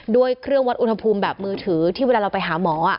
ด้วยเครื่องวัดอุณหภูมิแบบมือถือที่เวลาเราไปหาหมอ